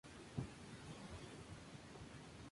Pero no hubo más expediciones al Alto Perú.